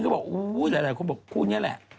หลายคนบอกคู่นี้แหละ